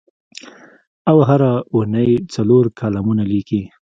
او هره اوونۍ څلور کالمونه لیکي.